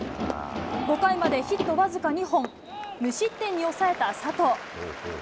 ５回までヒット僅か２本、無失点に抑えた佐藤。